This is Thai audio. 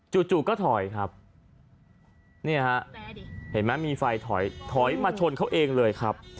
จู่ก็ถอยครับเนี่ยฮะเห็นไหมมีไฟถอยถอยมาชนเขาเองเลยครับ